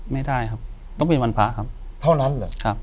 ไม่ได้ครับต้องเป็นวันพระครับเท่านั้นเหรอครับ